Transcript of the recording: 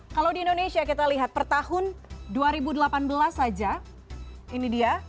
kalau di indonesia kita lihat per tahun dua ribu delapan belas saja ini dia